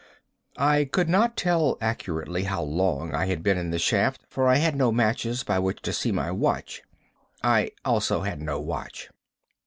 I could not tell accurately how long I had been in the shaft, for I had no matches by which to see my watch. I also had no watch.